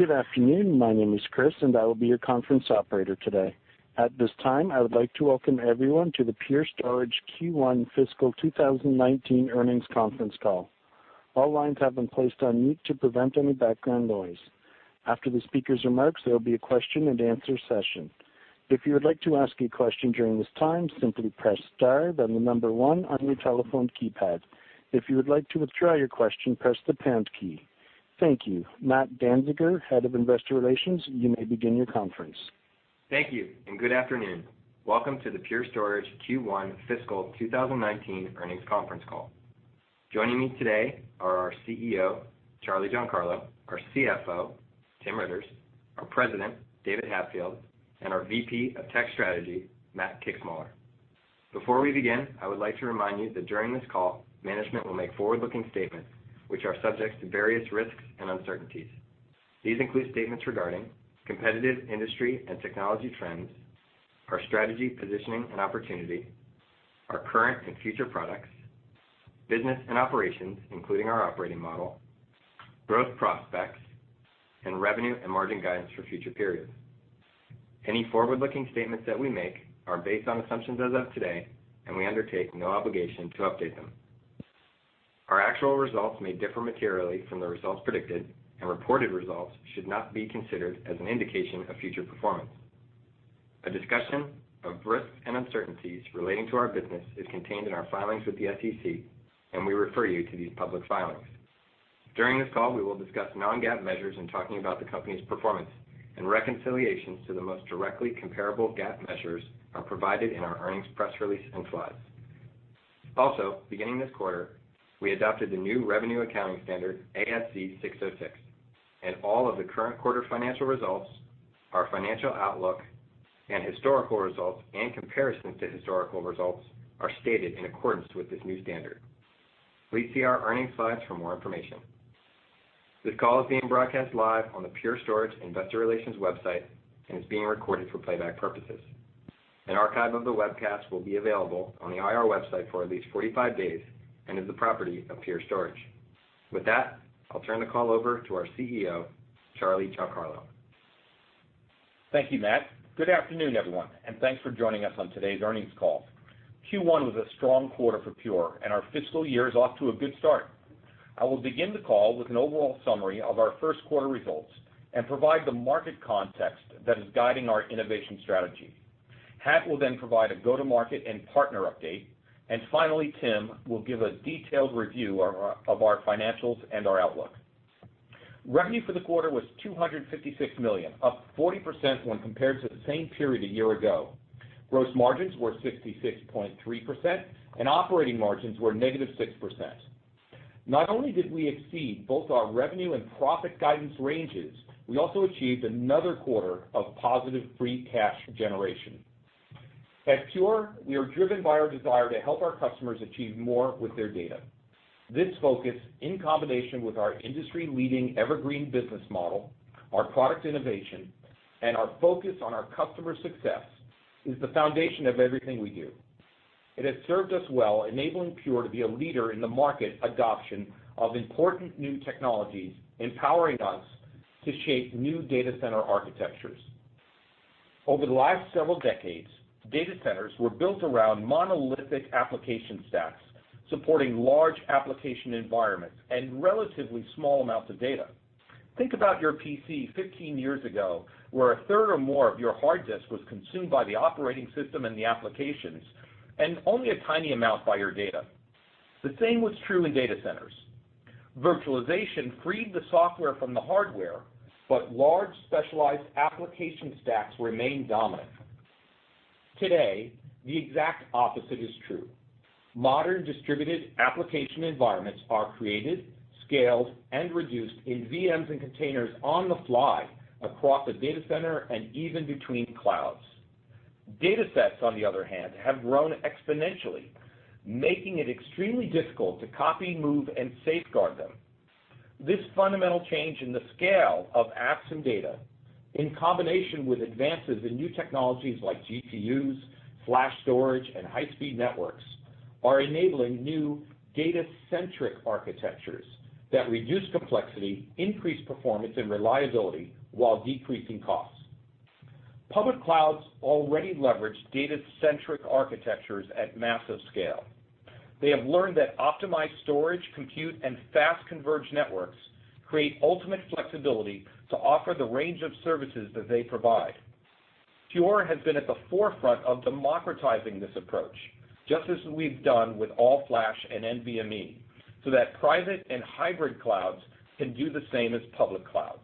Good afternoon. My name is Chris, and I will be your conference operator today. At this time, I would like to welcome everyone to the Pure Storage Q1 Fiscal 2019 Earnings Conference Call. All lines have been placed on mute to prevent any background noise. After the speakers' remarks, there will be a question and answer session. If you would like to ask a question during this time, simply press star, then the number 1 on your telephone keypad. If you would like to withdraw your question, press the pound key. Thank you. Matt Kanzler, Head of Investor Relations, you may begin your conference. Thank you. Good afternoon. Welcome to the Pure Storage Q1 Fiscal 2019 Earnings Conference Call. Joining me today are our CEO, Charles Giancarlo, our CFO, Tim Riitters, our President, David Hatfield, and our VP of Tech Strategy, Matt Kixmoeller. Before we begin, I would like to remind you that during this call, management will make forward-looking statements, which are subject to various risks and uncertainties. These include statements regarding competitive industry and technology trends, our strategy, positioning and opportunity, our current and future products, business and operations, including our operating model, growth prospects, and revenue and margin guidance for future periods. Any forward-looking statements that we make are based on assumptions as of today. We undertake no obligation to update them. Our actual results may differ materially from the results predicted. Reported results should not be considered as an indication of future performance. A discussion of risks and uncertainties relating to our business is contained in our filings with the SEC. We refer you to these public filings. During this call, we will discuss non-GAAP measures in talking about the company's performance. Reconciliations to the most directly comparable GAAP measures are provided in our earnings press release and slides. Also, beginning this quarter, we adopted the new revenue accounting standard, ASC 606. All of the current quarter financial results, our financial outlook, and historical results and comparisons to historical results are stated in accordance with this new standard. Please see our earnings slides for more information. This call is being broadcast live on the Pure Storage Investor Relations website and is being recorded for playback purposes. An archive of the webcast will be available on the IR website for at least 45 days and is the property of Pure Storage. With that, I'll turn the call over to our CEO, Charles Giancarlo. Thank you, Matt. Good afternoon, everyone, and thanks for joining us on today's earnings call. Q1 was a strong quarter for Pure, and our fiscal year is off to a good start. I will begin the call with an overall summary of our first quarter results and provide the market context that is guiding our innovation strategy. Hat will then provide a go-to-market and partner update. Finally, Tim will give a detailed review of our financials and our outlook. Revenue for the quarter was $256 million, up 40% when compared to the same period a year ago. Gross margins were 66.3%, and operating margins were negative 6%. Not only did we exceed both our revenue and profit guidance ranges, we also achieved another quarter of positive free cash generation. At Pure, we are driven by our desire to help our customers achieve more with their data. This focus, in combination with our industry-leading Evergreen business model, our product innovation, and our focus on our customer success, is the foundation of everything we do. It has served us well, enabling Pure to be a leader in the market adoption of important new technologies, empowering us to shape new data center architectures. Over the last several decades, data centers were built around monolithic application stacks, supporting large application environments and relatively small amounts of data. Think about your PC 15 years ago, where a third or more of your hard disk was consumed by the operating system and the applications, and only a tiny amount by your data. The same was true in data centers. Virtualization freed the software from the hardware, but large, specialized application stacks remained dominant. Today, the exact opposite is true. Modern distributed application environments are created, scaled, and reduced in VMs and containers on the fly across a data center and even between clouds. Datasets, on the other hand, have grown exponentially, making it extremely difficult to copy, move, and safeguard them. This fundamental change in the scale of apps and data, in combination with advances in new technologies like GPUs, flash storage, and high-speed networks, are enabling new data-centric architectures that reduce complexity, increase performance and reliability, while decreasing costs. Public clouds already leverage data-centric architectures at massive scale. They have learned that optimized storage, compute, and fast converged networks create ultimate flexibility to offer the range of services that they provide. Pure has been at the forefront of democratizing this approach, just as we've done with All-Flash and NVMe, so that private and hybrid clouds can do the same as public clouds.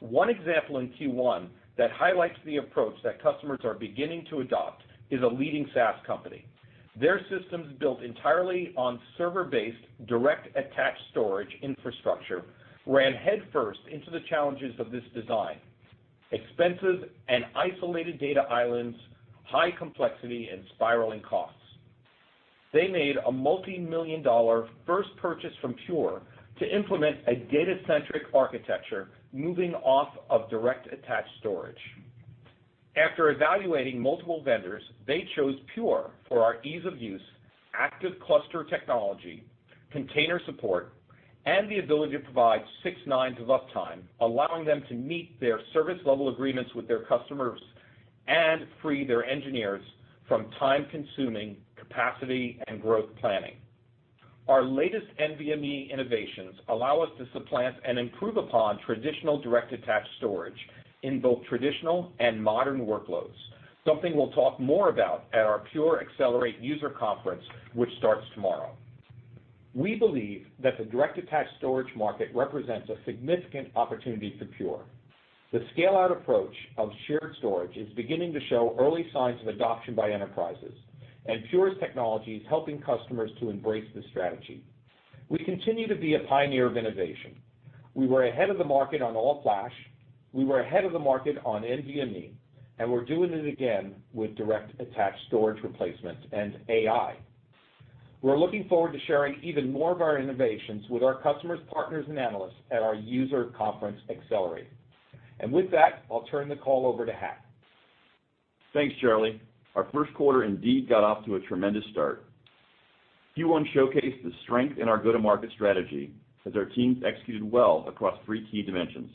One example in Q1 that highlights the approach that customers are beginning to adopt is a leading SaaS company. Their systems, built entirely on server-based, direct-attached storage infrastructure, ran headfirst into the challenges of this design: expensive and isolated data islands, high complexity, and spiraling costs. They made a multimillion-dollar first purchase from Pure to implement a data-centric architecture, moving off of direct-attached storage. After evaluating multiple vendors, they chose Pure for our ease of use, active cluster technology, container support, and the ability to provide six nines of uptime, allowing them to meet their service level agreements with their customers and free their engineers from time-consuming capacity and growth planning. Our latest NVMe innovations allow us to supplant and improve upon traditional direct-attached storage in both traditional and modern workloads, something we'll talk more about at our Pure//Accelerate user conference, which starts tomorrow. We believe that the direct-attached storage market represents a significant opportunity for Pure. The scale-out approach of shared storage is beginning to show early signs of adoption by enterprises, and Pure's technology is helping customers to embrace this strategy. We continue to be a pioneer of innovation. We were ahead of the market on all-flash, we were ahead of the market on NVMe, and we're doing it again with direct-attached storage replacement and AI. We're looking forward to sharing even more of our innovations with our customers, partners, and analysts at our user conference, Accelerate. With that, I'll turn the call over to Hat. Thanks, Charlie. Our first quarter indeed got off to a tremendous start. Q1 showcased the strength in our go-to-market strategy as our teams executed well across three key dimensions.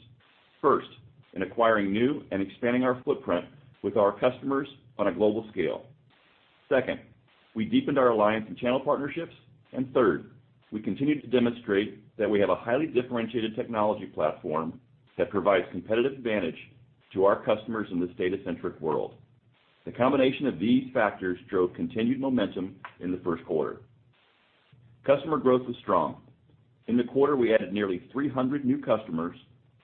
First, in acquiring new and expanding our footprint with our customers on a global scale. Second, we deepened our alliance and channel partnerships. Third, we continued to demonstrate that we have a highly differentiated technology platform that provides competitive advantage to our customers in this data-centric world. The combination of these factors drove continued momentum in the first quarter. Customer growth was strong. In the quarter, we added nearly 300 new customers,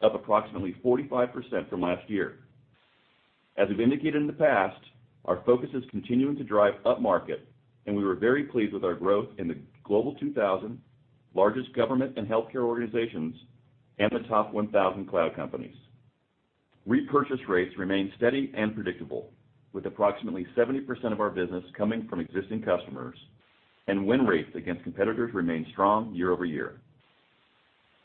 up approximately 45% from last year. As we've indicated in the past, our focus is continuing to drive up-market, and we were very pleased with our growth in the Global 2000, largest government and healthcare organizations, and the top 1,000 cloud companies. Repurchase rates remain steady and predictable, with approximately 70% of our business coming from existing customers, and win rates against competitors remain strong year-over-year.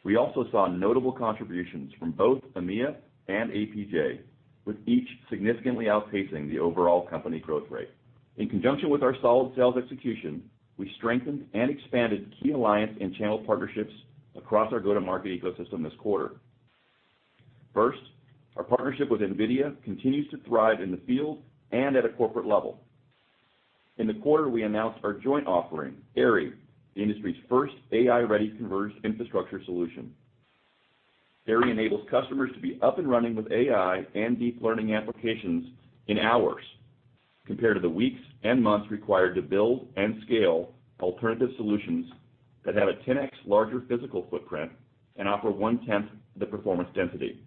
We also saw notable contributions from both EMEA and APJ, with each significantly outpacing the overall company growth rate. In conjunction with our solid sales execution, we strengthened and expanded key alliance and channel partnerships across our go-to-market ecosystem this quarter. First, our partnership with NVIDIA continues to thrive in the field and at a corporate level. In the quarter, we announced our joint offering, AIRI, the industry's first AI-ready converged infrastructure solution. AIRI enables customers to be up and running with AI and deep learning applications in hours, compared to the weeks and months required to build and scale alternative solutions that have a 10x larger physical footprint and offer one-tenth the performance density.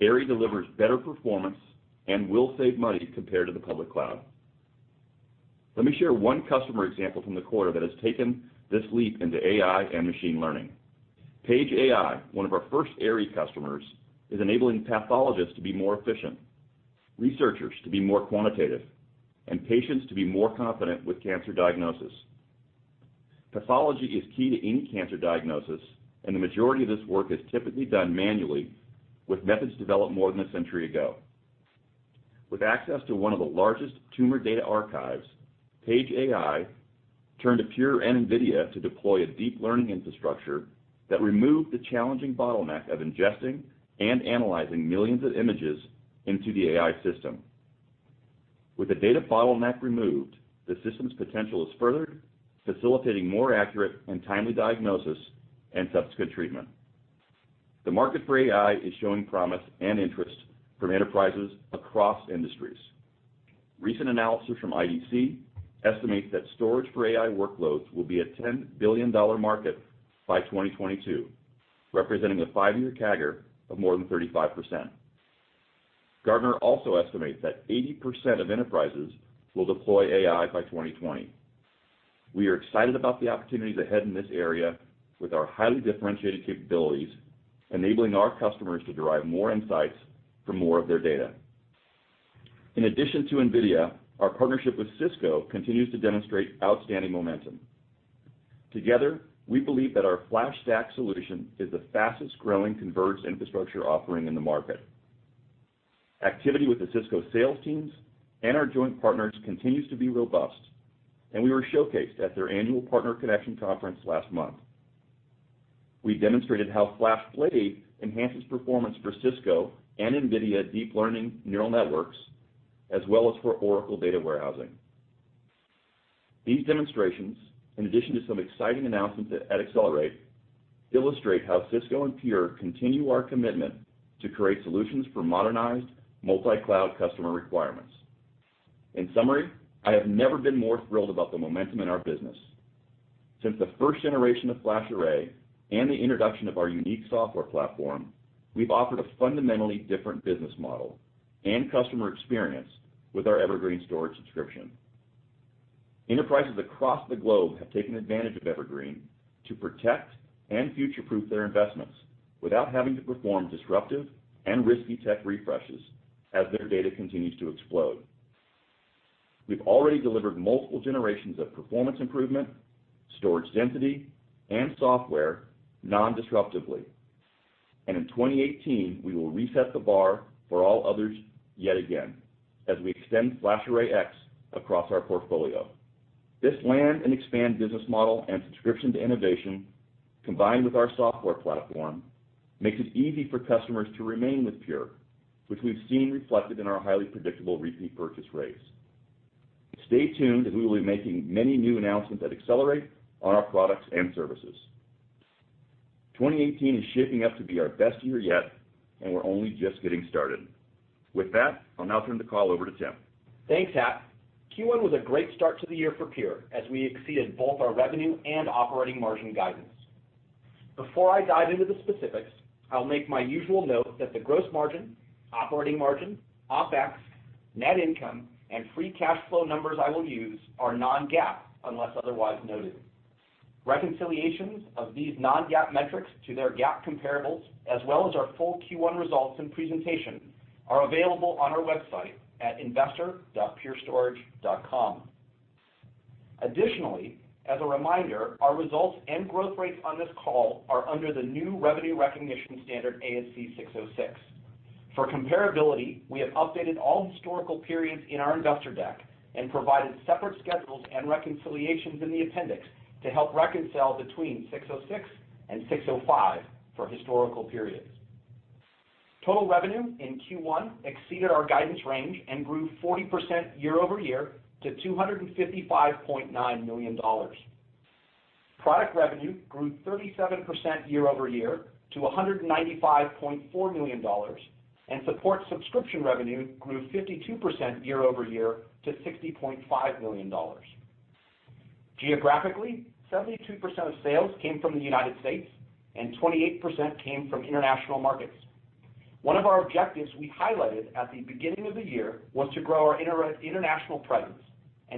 AIRI delivers better performance and will save money compared to the public cloud. Let me share one customer example from the quarter that has taken this leap into AI and machine learning. Paige.AI, one of our first AIRI customers, is enabling pathologists to be more efficient, researchers to be more quantitative, and patients to be more confident with cancer diagnosis. Pathology is key to any cancer diagnosis, and the majority of this work is typically done manually with methods developed more than a century ago. With access to one of the largest tumor data archives, Paige.AI turned to Pure and NVIDIA to deploy a deep learning infrastructure that removed the challenging bottleneck of ingesting and analyzing millions of images into the AI system. With the data bottleneck removed, the system's potential is furthered, facilitating more accurate and timely diagnosis and subsequent treatment. The market for AI is showing promise and interest from enterprises across industries. Recent analysis from IDC estimates that storage for AI workloads will be a $10 billion market by 2022, representing a 5-year CAGR of more than 35%. Gartner also estimates that 80% of enterprises will deploy AI by 2020. We are excited about the opportunities ahead in this area with our highly differentiated capabilities, enabling our customers to derive more insights from more of their data. In addition to NVIDIA, our partnership with Cisco continues to demonstrate outstanding momentum. Together, we believe that our FlashStack solution is the fastest-growing converged infrastructure offering in the market. Activity with the Cisco sales teams and our joint partners continues to be robust, and we were showcased at their annual Partner Connection conference last month. We demonstrated how FlashBlade enhances performance for Cisco and NVIDIA deep learning neural networks, as well as for Oracle data warehousing. These demonstrations, in addition to some exciting announcements at Accelerate, illustrate how Cisco and Pure continue our commitment to create solutions for modernized multi-cloud customer requirements. In summary, I have never been more thrilled about the momentum in our business. Since the first generation of FlashArray and the introduction of our unique software platform, we've offered a fundamentally different business model and customer experience with our Evergreen storage subscription. Enterprises across the globe have taken advantage of Evergreen to protect and future-proof their investments without having to perform disruptive and risky tech refreshes as their data continues to explode. We've already delivered multiple generations of performance improvement, storage density, and software non-disruptively. In 2018, we will reset the bar for all others yet again, as we extend FlashArray//X across our portfolio. This land and expand business model and subscription to innovation, combined with our software platform, makes it easy for customers to remain with Pure, which we've seen reflected in our highly predictable repeat purchase rates. Stay tuned, as we will be making many new announcements at Accelerate on our products and services. 2018 is shaping up to be our best year yet, and we're only just getting started. With that, I'll now turn the call over to Tim. Thanks, Hat. Q1 was a great start to the year for Pure, as we exceeded both our revenue and operating margin guidance. Before I dive into the specifics, I'll make my usual note that the gross margin, operating margin, OpEx, net income, and free cash flow numbers I will use are non-GAAP, unless otherwise noted. Reconciliations of these non-GAAP metrics to their GAAP comparables, as well as our full Q1 results and presentation, are available on our website at investor.purestorage.com. Additionally, as a reminder, our results and growth rates on this call are under the new revenue recognition standard, ASC 606. For comparability, we have updated all historical periods in our investor deck and provided separate schedules and reconciliations in the appendix to help reconcile between 606 and 605 for historical periods. Total revenue in Q1 exceeded our guidance range and grew 40% year-over-year to $255.9 million. Product revenue grew 37% year-over-year to $195.4 million. Support subscription revenue grew 52% year-over-year to $60.5 million. Geographically, 72% of sales came from the U.S., and 28% came from international markets. One of our objectives we highlighted at the beginning of the year was to grow our international presence.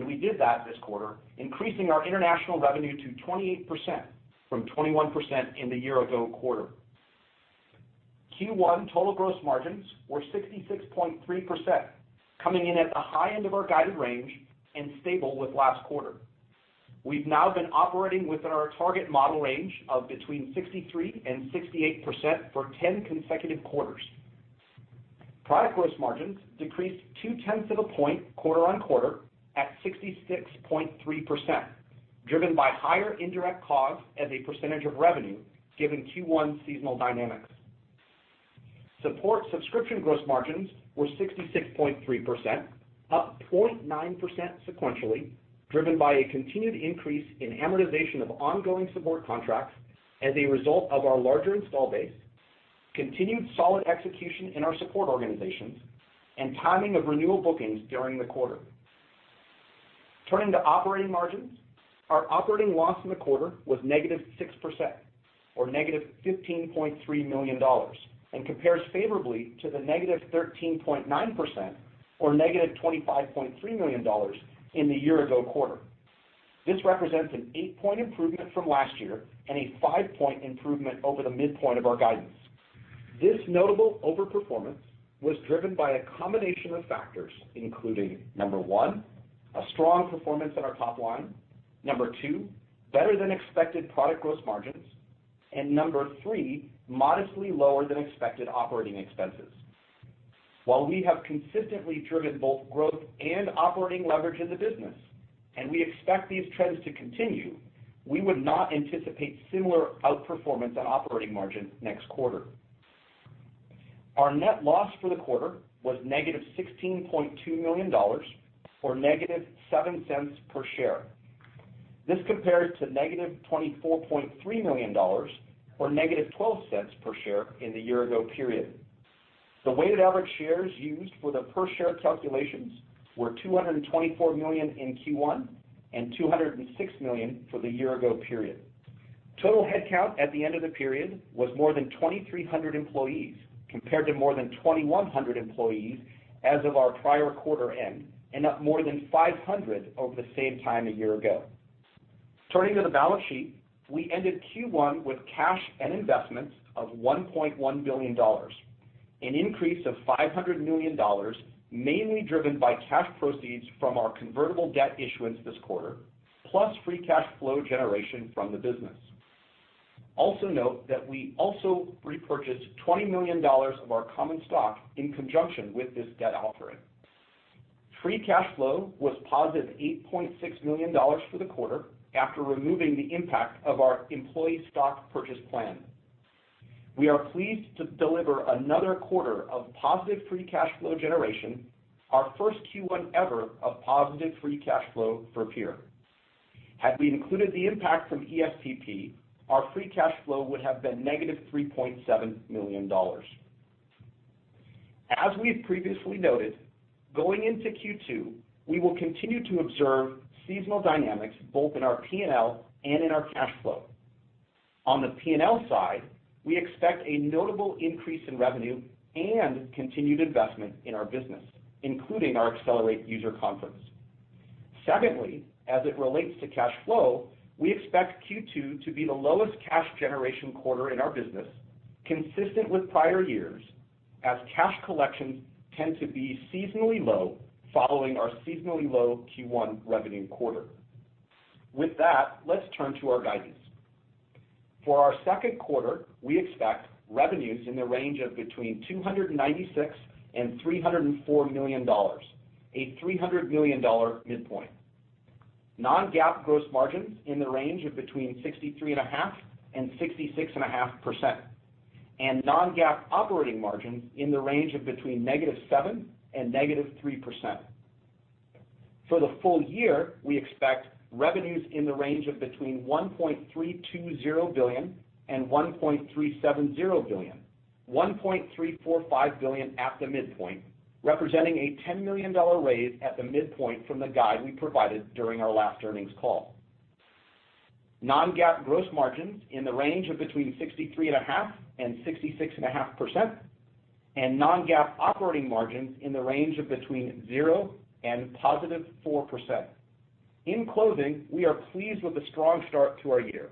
We did that this quarter, increasing our international revenue to 28% from 21% in the year ago quarter. Q1 total gross margins were 66.3%, coming in at the high end of our guided range and stable with last quarter. We've now been operating within our target model range of between 63% and 68% for 10 consecutive quarters. Product gross margins decreased two-tenths of a point quarter-on-quarter at 66.3%, driven by higher indirect costs as a percentage of revenue, given Q1 seasonal dynamics. Support subscription gross margins were 66.3%, up 0.9% sequentially, driven by a continued increase in amortization of ongoing support contracts as a result of our larger install base, continued solid execution in our support organizations, and timing of renewal bookings during the quarter. Turning to operating margins, our operating loss in the quarter was -6%, or -$15.3 million. This compares favorably to the -13.9%, or -$25.3 million in the year ago quarter. This represents an eight-point improvement from last year and a five-point improvement over the midpoint of our guidance. This notable over-performance was driven by a combination of factors, including, number 1, a strong performance at our top line, number 2, better-than-expected product gross margins, and number 3, modestly lower-than-expected operating expenses. While we have consistently driven both growth and operating leverage in the business, and we expect these trends to continue, we would not anticipate similar outperformance on operating margin next quarter. Our net loss for the quarter was -$16.2 million, or -$0.07 per share. This compares to -$24.3 million, or -$0.12 per share in the year ago period. The weighted average shares used for the per share calculations were 224 million in Q1 and 206 million for the year ago period. Total headcount at the end of the period was more than 2,300 employees, compared to more than 2,100 employees as of our prior quarter end, and up more than 500 over the same time a year ago. Turning to the balance sheet, we ended Q1 with cash and investments of $1.1 billion, an increase of $500 million, mainly driven by cash proceeds from our convertible debt issuance this quarter, plus free cash flow generation from the business. Note that we also repurchased $20 million of our common stock in conjunction with this debt offering. Free cash flow was +$8.6 million for the quarter after removing the impact of our employee stock purchase plan. We are pleased to deliver another quarter of positive free cash flow generation, our first Q1 ever of positive free cash flow for Pure. Had we included the impact from ESPP, our free cash flow would have been -$3.7 million. As we have previously noted, going into Q2, we will continue to observe seasonal dynamics both in our P&L and in our cash flow. On the P&L side, we expect a notable increase in revenue and continued investment in our business, including our Accelerate user conference. Secondly, as it relates to cash flow, we expect Q2 to be the lowest cash generation quarter in our business, consistent with prior years. Cash collections tend to be seasonally low following our seasonally low Q1 revenue quarter. With that, let's turn to our guidance. For our second quarter, we expect revenues in the range of between $296 million and $304 million, a $300 million midpoint. Non-GAAP gross margins in the range of between 63.5% and 66.5%. Non-GAAP operating margins in the range of between negative 7% and negative 3%. For the full year, we expect revenues in the range of between $1.320 billion and $1.370 billion, $1.345 billion at the midpoint, representing a $10 million raise at the midpoint from the guide we provided during our last earnings call. Non-GAAP gross margins in the range of between 63.5% and 66.5%, non-GAAP operating margins in the range of between zero and positive 4%. In closing, we are pleased with the strong start to our year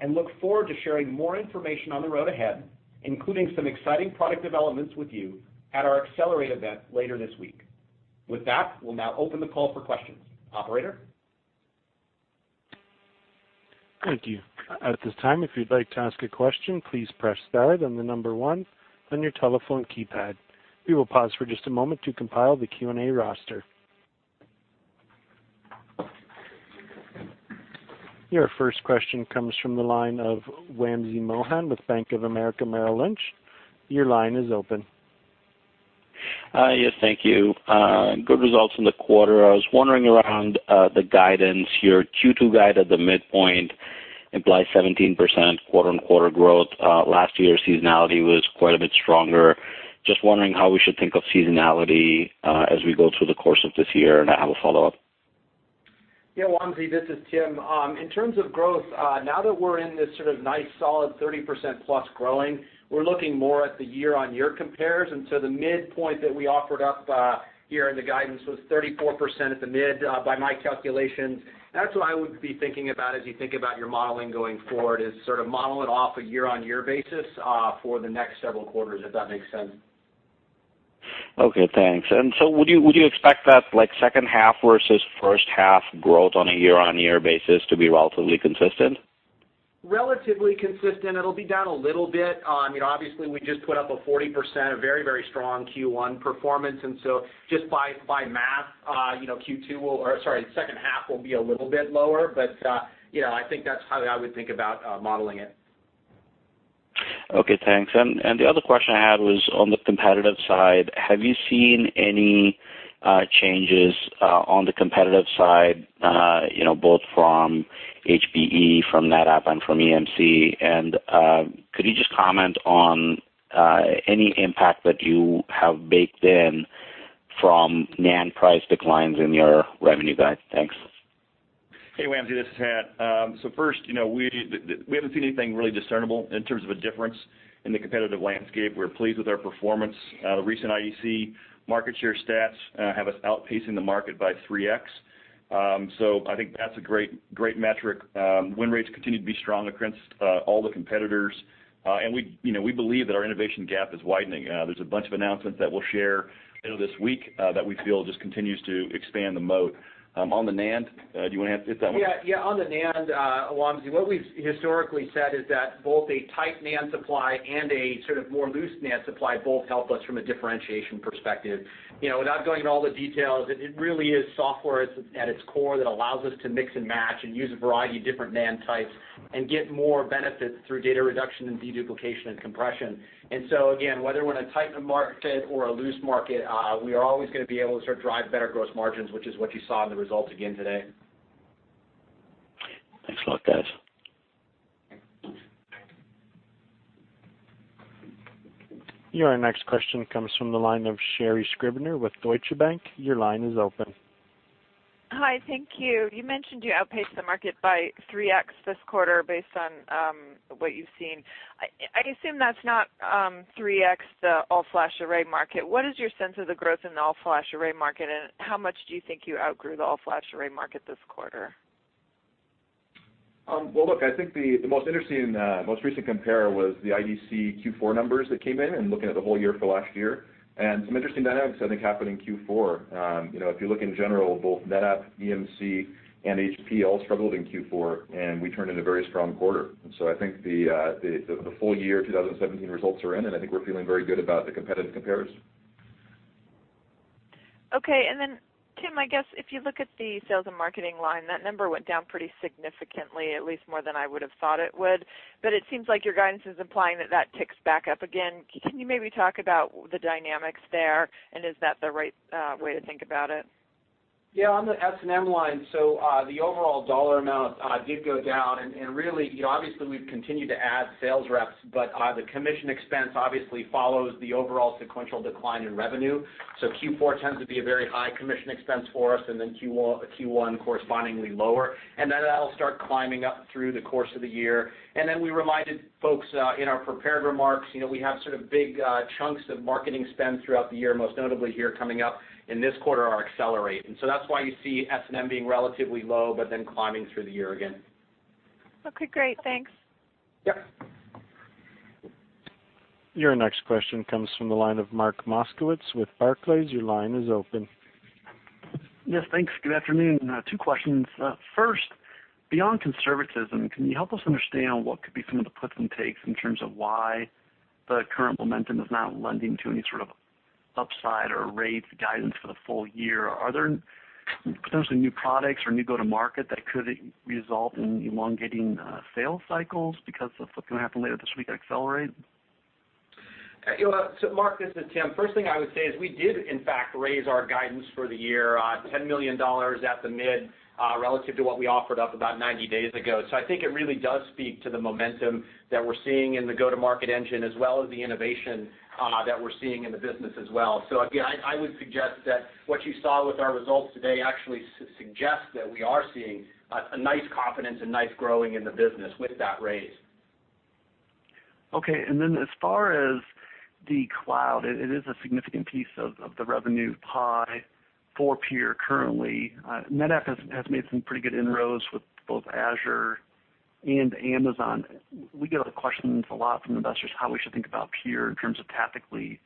and look forward to sharing more information on the road ahead, including some exciting product developments with you at our Accelerate event later this week. With that, we'll now open the call for questions. Operator? Thank you. At this time, if you'd like to ask a question, please press star, then the number one on your telephone keypad. We will pause for just a moment to compile the Q&A roster. Your first question comes from the line of Wamsi Mohan with Bank of America Merrill Lynch. Your line is open. Hi. Yes, thank you. Good results in the quarter. I was wondering around the guidance, your Q2 guide at the midpoint implies 17% quarter-on-quarter growth. Last year's seasonality was quite a bit stronger. Just wondering how we should think of seasonality as we go through the course of this year. I have a follow-up. Yeah, Wamsi, this is Tim. In terms of growth, now that we're in this sort of nice solid 30% plus growing, we're looking more at the year-on-year comparison. The midpoint that we offered up here in the guidance was 34% at the mid, by my calculations. That's what I would be thinking about as you think about your modeling going forward, is sort of model it off a year-on-year basis for the next several quarters, if that makes sense. Okay, thanks. Would you expect that second half versus first half growth on a year-on-year basis to be relatively consistent? Relatively consistent. It'll be down a little bit. Obviously, we just put up a 40%, a very strong Q1 performance. Just by math, Q2 will be a little bit lower, but I think that's how I would think about modeling it. Okay, thanks. The other question I had was on the competitive side. Have you seen any changes on the competitive side both from HPE, from NetApp, and from EMC? Could you just comment on any impact that you have baked in from NAND price declines in your revenue guide? Thanks. Hey, Wamsi. This is Hat. First, we haven't seen anything really discernible in terms of a difference in the competitive landscape. We're pleased with our performance. The recent IDC market share stats have us outpacing the market by 3x. I think that's a great metric. Win rates continue to be strong against all the competitors. We believe that our innovation gap is widening. There's a bunch of announcements that we'll share this week that we feel just continues to expand the moat. On the NAND, do you want to hit that one? Yeah. On the NAND, Wamsi, what we've historically said is that both a tight NAND supply and a sort of more loose NAND supply both help us from a differentiation perspective. Without going into all the details, it really is software at its core that allows us to mix and match and use a variety of different NAND types and get more benefits through data reduction and deduplication and compression. Again, whether we're in a tightened market or a loose market, we are always going to be able to drive better gross margins, which is what you saw in the results again today. Thanks a lot, guys. Your next question comes from the line of Sherri Scribner with Deutsche Bank. Your line is open. Hi. Thank you. You mentioned you outpaced the market by 3x this quarter based on what you've seen. I assume that's not 3x the all-flash array market. What is your sense of the growth in the all-flash array market, and how much do you think you outgrew the all-flash array market this quarter? Well, look, I think the most interesting most recent compare was the IDC Q4 numbers that came in and looking at the whole year for last year, and some interesting dynamics I think happened in Q4. If you look in general, both NetApp, EMC, and HPE all struggled in Q4, and we turned in a very strong quarter. I think the full year 2017 results are in, and I think we're feeling very good about the competitive compares. Okay. Tim, I guess if you look at the sales and marketing line, that number went down pretty significantly, at least more than I would have thought it would. It seems like your guidance is implying that that ticks back up again. Can you maybe talk about the dynamics there, and is that the right way to think about it? Yeah, on the S&M line, the overall dollar amount did go down. Really, obviously, we've continued to add sales reps, but the commission expense obviously follows the overall sequential decline in revenue. Q4 tends to be a very high commission expense for us, and Q1 correspondingly lower. That'll start climbing up through the course of the year. We reminded folks in our prepared remarks, we have sort of big chunks of marketing spend throughout the year, most notably here coming up in this quarter, our Accelerate. That's why you see S&M being relatively low, but then climbing through the year again. Okay, great. Thanks. Yep. Your next question comes from the line of Mark Moskowitz with Barclays. Your line is open. Yes, thanks. Good afternoon. Two questions. First, beyond conservatism, can you help us understand what could be some of the puts and takes in terms of why the current momentum is not lending to any sort of upside or raise guidance for the full year? Are there potentially new products or new go-to-market that could result in elongating sales cycles because of what's going to happen later this week at Accelerate? Mark, this is Tim. First thing I would say is we did in fact, raise our guidance for the year on $10 million at the mid relative to what we offered up about 90 days ago. I think it really does speak to the momentum that we're seeing in the go-to-market engine, as well as the innovation that we're seeing in the business as well. Again, I would suggest that what you saw with our results today actually suggests that we are seeing a nice confidence, a nice growing in the business with that raise. Okay. As far as the cloud, it is a significant piece of the revenue pie for Pure currently. NetApp has made some pretty good inroads with both Azure and Amazon. I get questions a lot from investors how we should think about Pure in terms of tactically.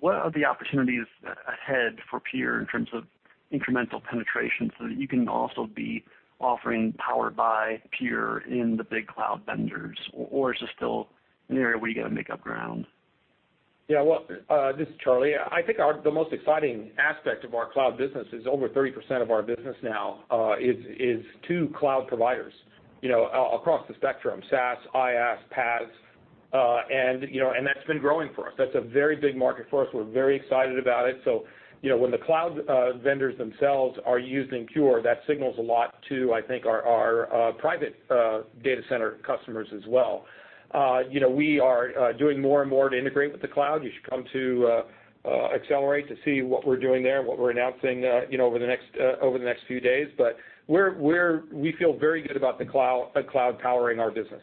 What are the opportunities ahead for Pure in terms of incremental penetration so that you can also be offering powered by Pure in the big cloud vendors? Is this still an area where you got to make up ground? Yeah. Well, this is Charlie. I think the most exciting aspect of our cloud business is over 30% of our business now is to cloud providers across the spectrum, SaaS, IaaS, PaaS, that's been growing for us. That's a very big market for us. We're very excited about it. When the cloud vendors themselves are using Pure, that signals a lot to, I think, our private data center customers as well. We are doing more and more to integrate with the cloud. You should come to Accelerate to see what we're doing there and what we're announcing over the next few days. We feel very good about the cloud powering our business.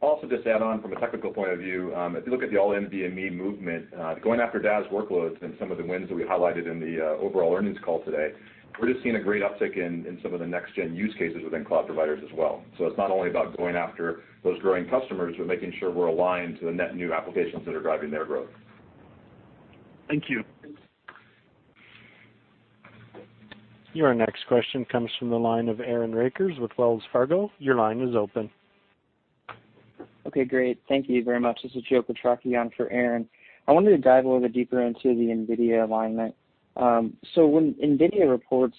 Also, just to add on from a technical point of view, if you look at the all NVMe movement, going after DAS workloads and some of the wins that we highlighted in the overall earnings call today, we're just seeing a great uptick in some of the next-gen use cases within cloud providers as well. It's not only about going after those growing customers, but making sure we're aligned to the net new applications that are driving their growth. Thank you. Your next question comes from the line of Aaron Rakers with Wells Fargo. Your line is open. Okay, great. Thank you very much. This is Joe Quatrochi on for Aaron. I wanted to dive a little bit deeper into the NVIDIA alignment. When NVIDIA reports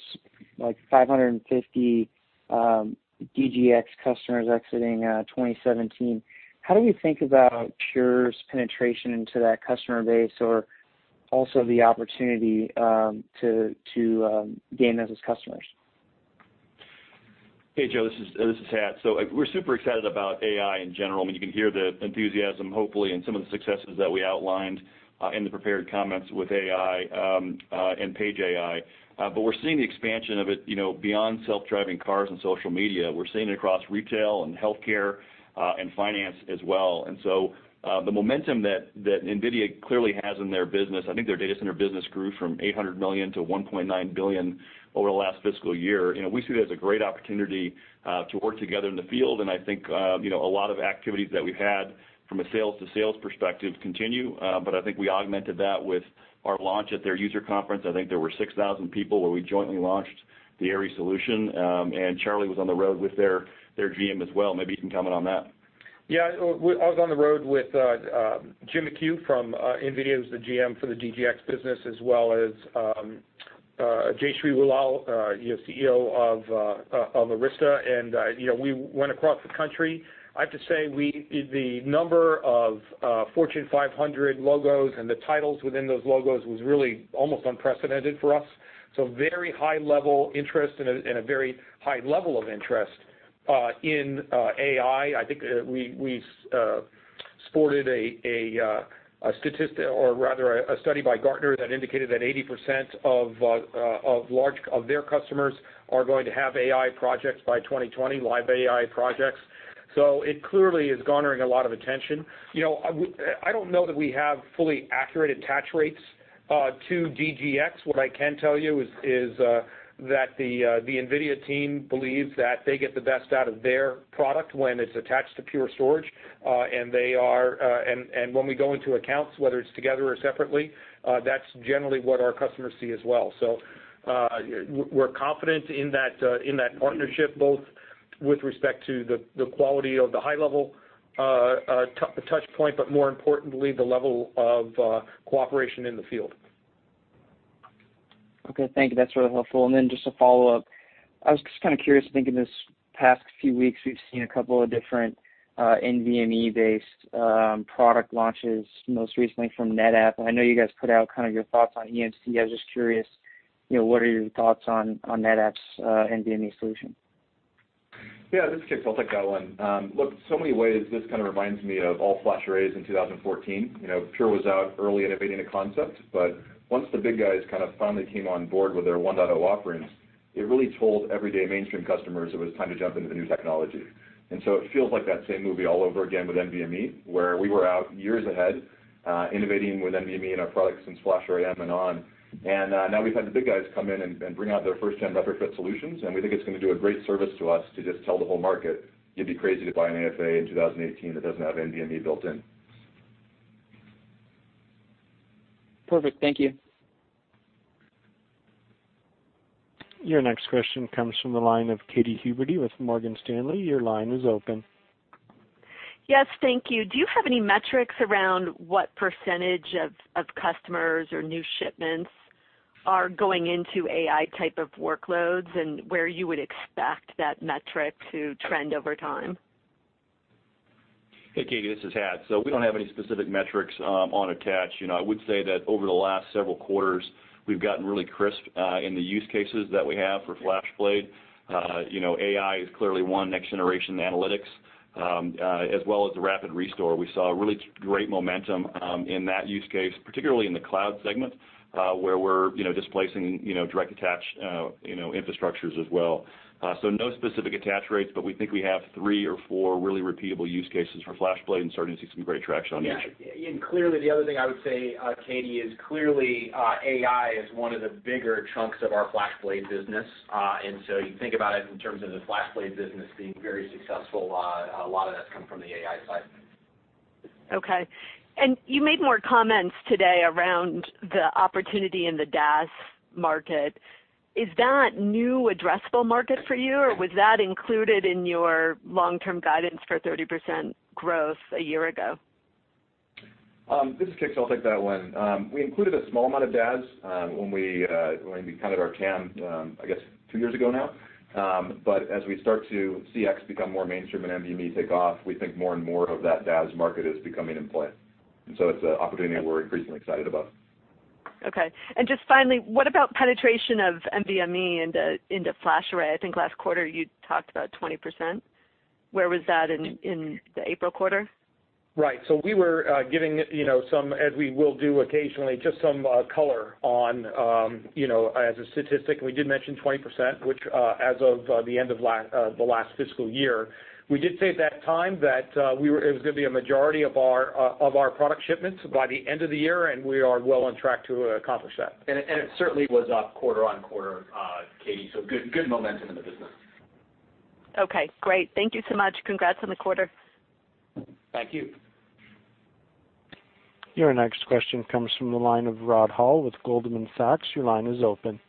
like 550 DGX customers exiting 2017, how do we think about Pure's penetration into that customer base or also the opportunity to gain those as customers? Hey, Joe, this is Hat. We're super excited about AI in general. I mean, you can hear the enthusiasm, hopefully, in some of the successes that we outlined in the prepared comments with AI and Paige.AI. We're seeing the expansion of it beyond self-driving cars and social media. We're seeing it across retail and healthcare and finance as well. The momentum that NVIDIA clearly has in their business, I think their data center business grew from $800 million to $1.9 billion over the last fiscal year. We see that as a great opportunity to work together in the field, and I think a lot of activities that we've had from a sales to sales perspective continue. I think we augmented that with our launch at their user conference. I think there were 6,000 people where we jointly launched the AIRI solution, Charlie was on the road with their GM as well. Maybe you can comment on that. Yeah. I was on the road with Jim McHugh from NVIDIA, who's the GM for the DGX business, as well as Jayshree Ullal, CEO of Arista. We went across the country. I have to say, the number of Fortune 500 logos and the titles within those logos was really almost unprecedented for us. Very high level interest and a very high level of interest in AI. I think we sported a statistic, or rather a study by Gartner that indicated that 80% of their customers are going to have AI projects by 2020, live AI projects. It clearly is garnering a lot of attention. I don't know that we have fully accurate attach rates to DGX. What I can tell you is that the NVIDIA team believes that they get the best out of their product when it's attached to Pure Storage. When we go into accounts, whether it's together or separately, that's generally what our customers see as well. We're confident in that partnership, both with respect to the quality of the high-level touch point, but more importantly, the level of cooperation in the field. Okay, thank you. That's really helpful. Then just a follow-up. I was just curious, I think in these past few weeks, we've seen a couple of different NVMe-based product launches, most recently from NetApp. I know you guys put out your thoughts on EMC. I was just curious, what are your thoughts on NetApp's NVMe solution? This is Kix. I'll take that one. Look, so many ways this reminds me of all-flash arrays in 2014. Pure was out early innovating a concept, but once the big guys finally came on board with their 1.0 offerings, it really told everyday mainstream customers it was time to jump into the new technology. It feels like that same movie all over again with NVMe, where we were out years ahead innovating with NVMe in our products since FlashArray//m and on. Now we've had the big guys come in and bring out their first-gen reference solutions, and we think it's going to do a great service to us to just tell the whole market, you'd be crazy to buy an AFA in 2018 that doesn't have NVMe built in. Perfect. Thank you. Your next question comes from the line of Katy Huberty with Morgan Stanley. Your line is open. Thank you. Do you have any metrics around what % of customers or new shipments are going into AI type of workloads, and where you would expect that metric to trend over time? Hey, Katy, this is Hat. We don't have any specific metrics on attach. I would say that over the last several quarters, we've gotten really crisp in the use cases that we have for FlashBlade. AI is clearly one, next-generation analytics, as well as rapid restore. We saw really great momentum in that use case, particularly in the cloud segment, where we're displacing direct attach infrastructures as well. No specific attach rates, but we think we have three or four really repeatable use cases for FlashBlade and starting to see some great traction on each. Yeah. Clearly, the other thing I would say, Katy, is clearly AI is one of the bigger chunks of our FlashBlade business. You think about it in terms of the FlashBlade business being very successful, a lot of that's come from the AI side. Okay. You made more comments today around the opportunity in the DAS market. Is that new addressable market for you, or was that included in your long-term guidance for 30% growth a year ago? This is Kix. I'll take that one. We included a small amount of DAS when we counted our TAM, I guess two years ago now. As we start to see X become more mainstream and NVMe take off, we think more and more of that DAS market is becoming in play. It's an opportunity that we're increasingly excited about. Okay. Just finally, what about penetration of NVMe into FlashArray? I think last quarter you talked about 20%. Where was that in the April quarter? Right. We were giving some, as we will do occasionally, just some color on, as a statistic, we did mention 20%, which as of the end of the last fiscal year. We did say at that time that it was going to be a majority of our product shipments by the end of the year, and we are well on track to accomplish that. It certainly was up quarter on quarter, Katy, so good momentum in the business. Okay, great. Thank you so much. Congrats on the quarter. Thank you. Your next question comes from the line of Rod Hall with Goldman Sachs. Your line is open.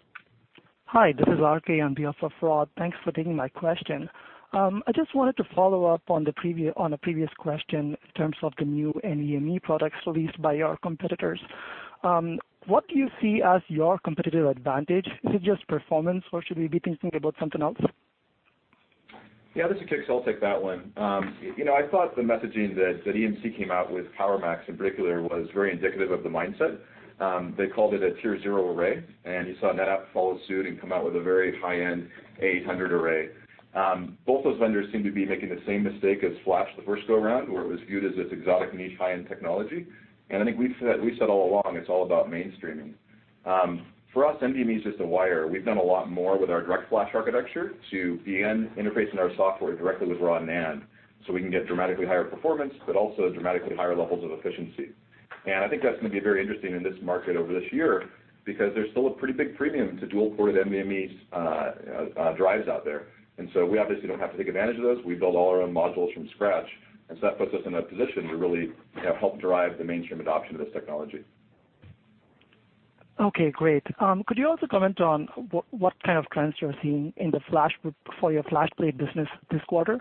Hi, this is RK on behalf of Rod. Thanks for taking my question. I just wanted to follow up on a previous question in terms of the new NVMe products released by your competitors. What do you see as your competitive advantage? Is it just performance, or should we be thinking about something else? Yeah, this is Kix. I'll take that one. I thought the messaging that Dell EMC came out with PowerMax in particular was very indicative of the mindset. They called it a Tier 0 array, you saw NetApp follow suit and come out with a very high-end A800 array. Both those vendors seem to be making the same mistake as Flash the first go-around, where it was viewed as this exotic niche high-end technology. I think we've said all along, it's all about mainstreaming. For us, NVMe is just a wire. We've done a lot more with our direct flash architecture to NAND interface in our software directly with raw NAND, so we can get dramatically higher performance, but also dramatically higher levels of efficiency. I think that's going to be very interesting in this market over this year because there's still a pretty big premium to dual-ported NVMe drives out there. We obviously don't have to take advantage of those. We build all our own modules from scratch, that puts us in a position to really help drive the mainstream adoption of this technology. Okay, great. Could you also comment on what kind of trends you're seeing in the portfolio FlashBlade business this quarter?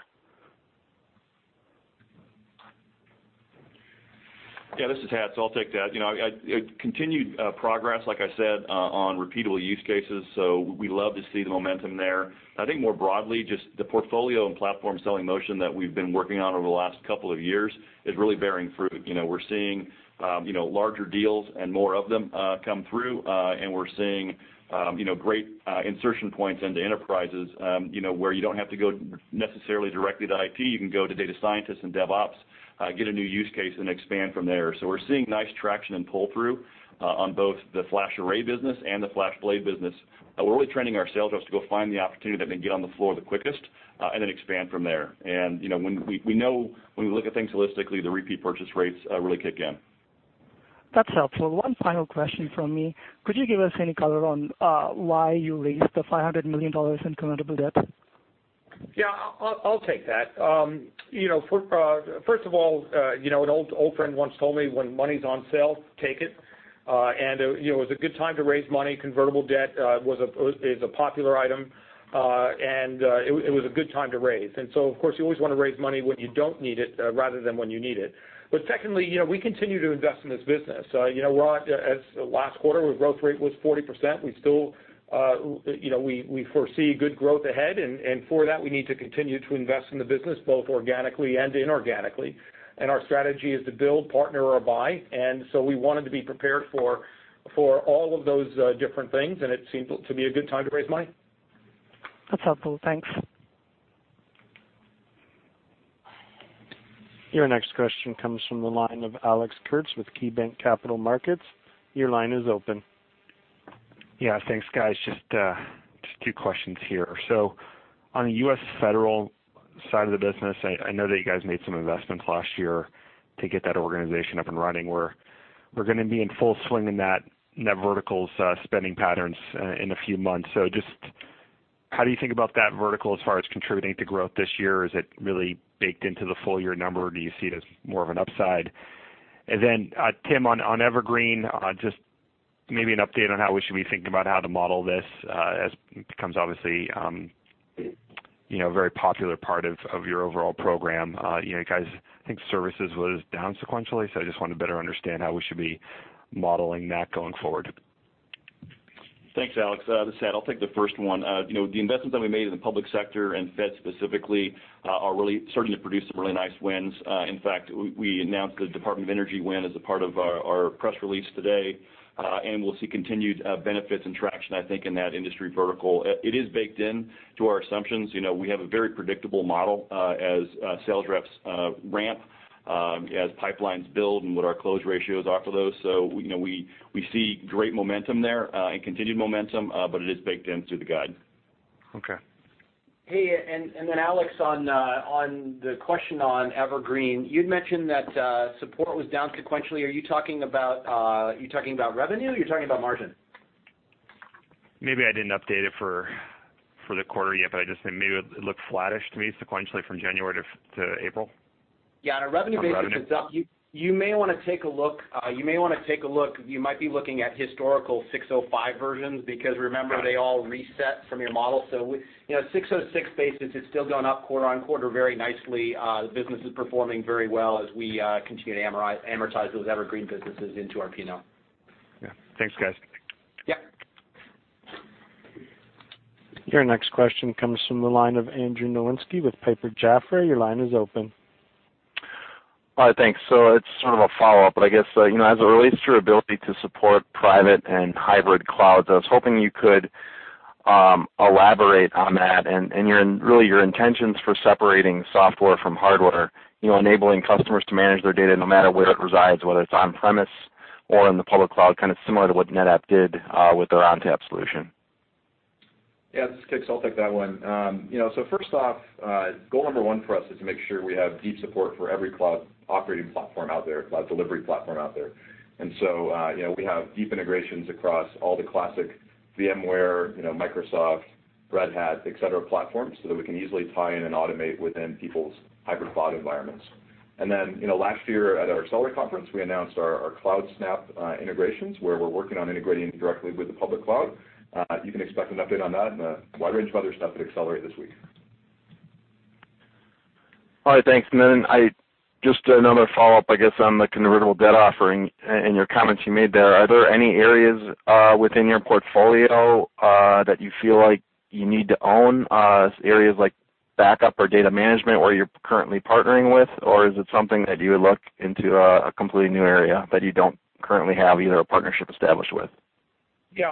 This is Hat, I'll take that. Continued progress, like I said, on repeatable use cases, we love to see the momentum there. I think more broadly, just the portfolio and platform selling motion that we've been working on over the last couple of years is really bearing fruit. We're seeing larger deals and more of them come through, and we're seeing great insertion points into enterprises, where you don't have to go necessarily directly to IT. You can go to data scientists and DevOps, get a new use case, and expand from there. We're seeing nice traction and pull-through on both the FlashArray business and the FlashBlade business. We're really training our sales reps to go find the opportunity that can get on the floor the quickest and then expand from there. We know when we look at things holistically, the repeat purchase rates really kick in. That's helpful. One final question from me. Could you give us any color on why you raised the $500 million in convertible debt? Yeah, I'll take that. First of all, an old friend once told me, when money's on sale, take it. It was a good time to raise money. Convertible debt is a popular item. It was a good time to raise. Of course, you always want to raise money when you don't need it rather than when you need it. Secondly, we continue to invest in this business. Last quarter, our growth rate was 40%. We foresee good growth ahead. For that, we need to continue to invest in the business, both organically and inorganically. Our strategy is to build, partner or buy. We wanted to be prepared for all of those different things. It seemed to be a good time to raise money. That's helpful. Thanks. Your next question comes from the line of Alex Kurtz with KeyBanc Capital Markets. Your line is open. Thanks, guys. Just two questions here. On the U.S. federal side of the business, I know that you guys made some investments last year to get that organization up and running, where we're going to be in full swing in that vertical's spending patterns in a few months. How do you think about that vertical as far as contributing to growth this year? Is it really baked into the full-year number, or do you see it as more of an upside? Tim, on Evergreen, just maybe an update on how we should be thinking about how to model this as it becomes obviously a very popular part of your overall program. You guys, I think services was down sequentially. I just want to better understand how we should be modeling that going forward. Thanks, Alex. This is Hat. I'll take the first one. The investments that we made in the public sector and Fed specifically are really starting to produce some really nice wins. In fact, we announced the Department of Energy win as a part of our press release today, and we'll see continued benefits and traction, I think, in that industry vertical. It is baked into our assumptions. We have a very predictable model as sales reps ramp, as pipelines build, and what our close ratios are for those. We see great momentum there, and continued momentum, but it is baked into the guide. Okay. Alex, on the question on Evergreen, you'd mentioned that support was down sequentially. Are you talking about revenue? Are you talking about margin? Maybe I didn't update it for the quarter yet, but I just think maybe it looked flattish to me sequentially from January to April. Yeah, on a revenue basis. On revenue. it's up. You may want to take a look. You might be looking at historical 605 versions because remember. Got it. they all reset from your model. At 606 basis, it's still gone up quarter-on-quarter very nicely. The business is performing very well as we continue to amortize those Evergreen businesses into RPO now. Yeah. Thanks, guys. Yeah. Your next question comes from the line of Andrew Nowinski with Piper Jaffray. Your line is open. All right, thanks. It's sort of a follow-up, but I guess, as it relates to your ability to support private and hybrid clouds, I was hoping you could elaborate on that and really your intentions for separating software from hardware, enabling customers to manage their data no matter where it resides, whether it's on-premises or in the public cloud, kind of similar to what NetApp did with their ONTAP solution. Yeah, this is Kix. I'll take that one. First off, goal number one for us is to make sure we have deep support for every cloud operating platform out there, cloud delivery platform out there. We have deep integrations across all the classic VMware, Microsoft, Red Hat, et cetera, platforms so that we can easily tie in and automate within people's hybrid cloud environments. Last year at our Pure//Accelerate conference, we announced our CloudSnap integrations, where we're working on integrating directly with the public cloud. You can expect an update on that and a wide range of other stuff at Pure//Accelerate this week. All right, thanks. Just another follow-up, I guess, on the convertible debt offering and your comments you made there. Are there any areas within your portfolio that you feel like you need to own, areas like backup or data management where you're currently partnering with? Or is it something that you would look into a completely new area that you don't currently have either a partnership established with? Yeah,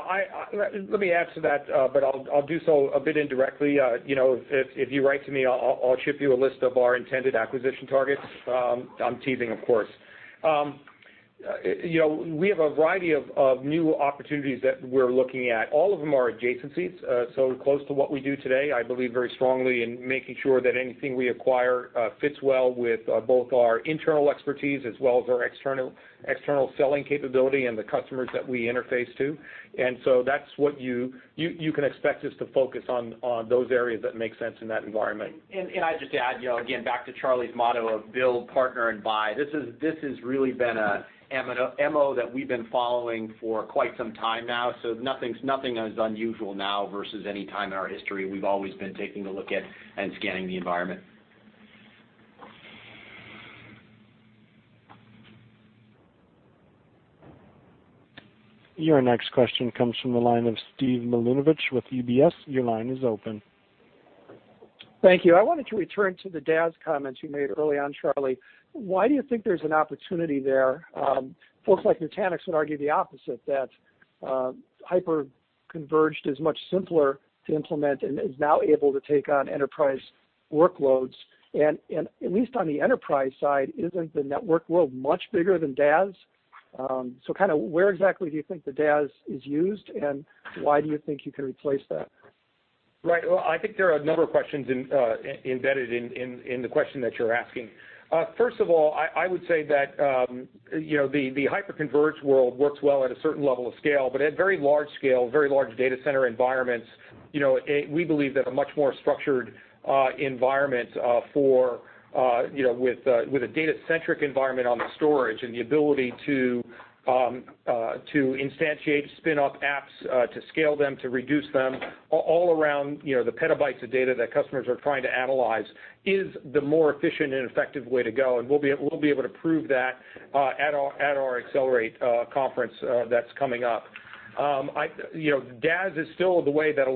let me answer that, but I'll do so a bit indirectly. If you write to me, I'll ship you a list of our intended acquisition targets. I'm teasing, of course. We have a variety of new opportunities that we're looking at. All of them are adjacencies, so close to what we do today. I believe very strongly in making sure that anything we acquire fits well with both our internal expertise as well as our external selling capability and the customers that we interface to. That's what you can expect us to focus on, those areas that make sense in that environment. I'd just add, again, back to Charlie's motto of build, partner, and buy. This has really been an MO that we've been following for quite some time now. Nothing is unusual now versus any time in our history. We've always been taking a look at and scanning the environment. Your next question comes from the line of Steve Milunovich with UBS. Your line is open. Thank you. I wanted to return to the DAS comments you made early on, Charlie. Why do you think there's an opportunity there? Folks like Nutanix would argue the opposite, that hyper-converged is much simpler to implement and is now able to take on enterprise workloads. At least on the enterprise side, isn't the network world much bigger than DAS? Where exactly do you think the DAS is used, and why do you think you can replace that? Right. Well, I think there are a number of questions embedded in the question that you're asking. First of all, I would say that the hyper-converged world works well at a certain level of scale, but at very large scale, very large data center environments, we believe that a much more structured environment with a data-centric environment on the storage and the ability to instantiate, spin up apps, to scale them, to reduce them, all around the petabytes of data that customers are trying to analyze is the more efficient and effective way to go. We'll be able to prove that at our Accelerate conference that's coming up. DAS is still the way that a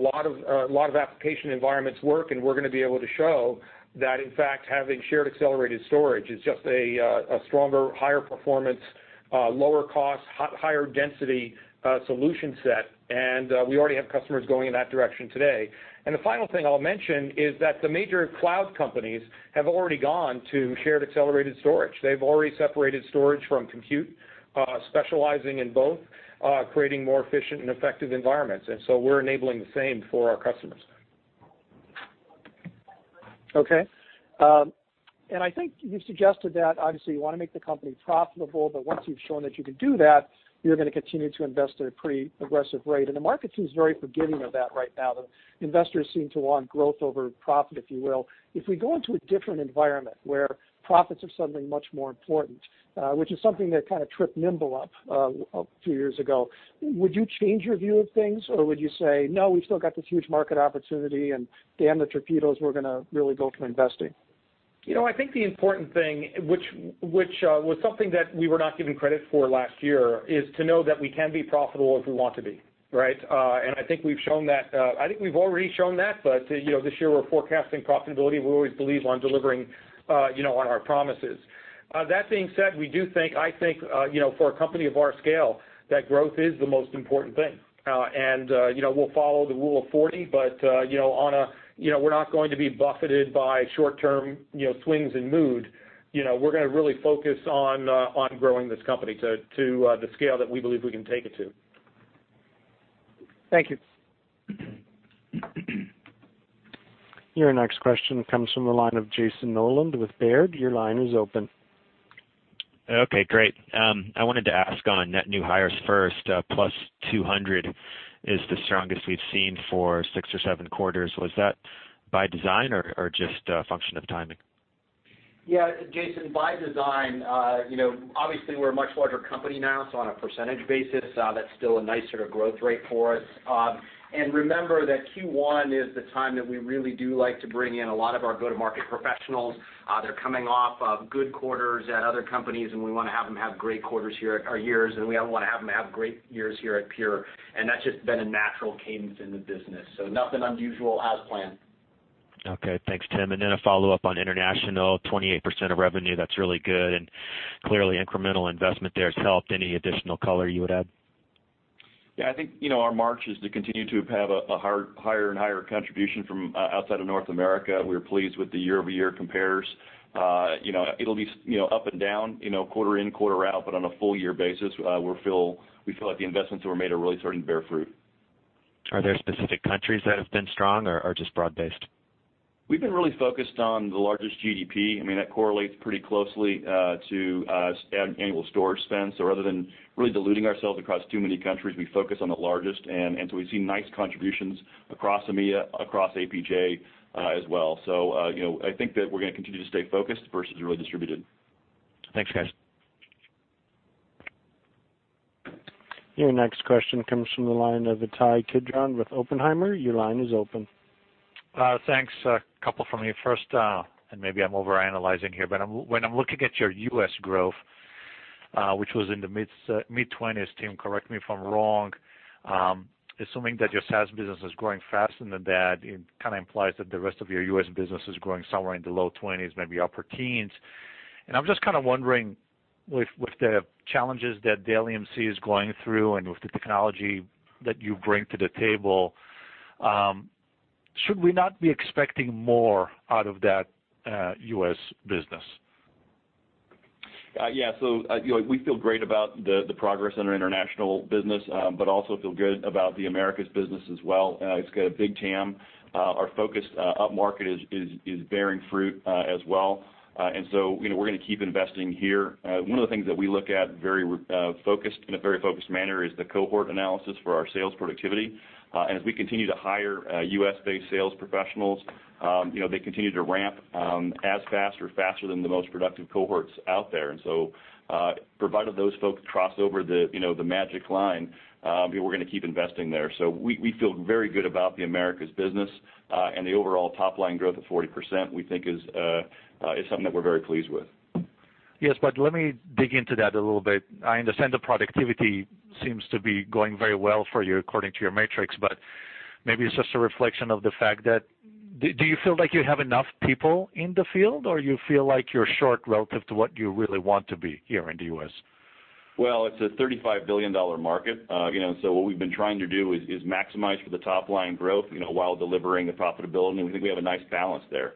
lot of application environments work, we're going to be able to show that, in fact, having shared accelerated storage is just a stronger, higher performance, lower cost, higher density solution set, and we already have customers going in that direction today. The final thing I'll mention is that the major cloud companies have already gone to shared accelerated storage. They've already separated storage from compute, specializing in both, creating more efficient and effective environments. So we're enabling the same for our customers. I think you suggested that obviously you want to make the company profitable, but once you've shown that you can do that, you're going to continue to invest at a pretty aggressive rate. The market seems very forgiving of that right now. The investors seem to want growth over profit, if you will. If we go into a different environment where profits are suddenly much more important, which is something that tripped Nimble up a few years ago, would you change your view of things, or would you say, "No, we've still got this huge market opportunity, and damn the torpedoes, we're going to really go for investing? I think the important thing, which was something that we were not given credit for last year, is to know that we can be profitable if we want to be, right? I think we've already shown that, but this year we're forecasting profitability. We always believe on delivering on our promises. That being said, we do think, I think, for a company of our scale, that growth is the most important thing. We'll follow the rule of 40, but we're not going to be buffeted by short-term swings in mood. We're going to really focus on growing this company to the scale that we believe we can take it to. Thank you. Your next question comes from the line of Jayson Noland with Baird. Your line is open. Okay, great. I wanted to ask on net new hires first. Plus 200 is the strongest we've seen for six or seven quarters. Was that by design or just a function of timing? Yeah, Jayson, by design. Obviously, we're a much larger company now, on a percentage basis, that's still a nice growth rate for us. Remember that Q1 is the time that we really do like to bring in a lot of our go-to-market professionals. They're coming off of good quarters at other companies, and we want to have them have great years, and we want to have them have great years here at Pure. That's just been a natural cadence in the business. Nothing unusual, as planned. Okay. Thanks, Tim. Then a follow-up on international, 28% of revenue. That's really good, and clearly incremental investment there has helped. Any additional color you would add? Yeah, I think our march is to continue to have a higher and higher contribution from outside of North America. We are pleased with the year-over-year compares. It'll be up and down, quarter in, quarter out, but on a full year basis, we feel like the investments that were made are really starting to bear fruit. Are there specific countries that have been strong or just broad-based? We've been really focused on the largest GDP. That correlates pretty closely to annual storage spend. Rather than really diluting ourselves across too many countries, we focus on the largest, and we've seen nice contributions across EMEA, across APJ as well. I think that we're going to continue to stay focused versus really distributed. Thanks, guys. Your next question comes from the line of Ittai Kidron with Oppenheimer. Your line is open. Thanks. A couple from me. First, maybe I'm overanalyzing here, but when I'm looking at your U.S. growth, which was in the mid-20s, Tim, correct me if I'm wrong, assuming that your SaaS business is growing faster than that, it implies that the rest of your U.S. business is growing somewhere in the low 20s, maybe upper teens. I'm just wondering, with the challenges that Dell EMC is going through and with the technology that you bring to the table, should we not be expecting more out of that U.S. business? Yeah. We feel great about the progress in our international business, but also feel good about the Americas business as well. It's got a big TAM. Our focus upmarket is bearing fruit as well. We're going to keep investing here. One of the things that we look at in a very focused manner is the cohort analysis for our sales productivity. As we continue to hire U.S.-based sales professionals, they continue to ramp as fast or faster than the most productive cohorts out there. Provided those folks cross over the magic line, we're going to keep investing there. We feel very good about the Americas business, and the overall top-line growth of 40%, we think is something that we're very pleased with. Yes, let me dig into that a little bit. I understand the productivity seems to be going very well for you according to your metrics, but maybe it's just a reflection of the fact that Do you feel like you have enough people in the field, or you feel like you're short relative to what you really want to be here in the U.S.? Well, it's a $35 billion market. What we've been trying to do is maximize for the top-line growth while delivering the profitability, and we think we have a nice balance there.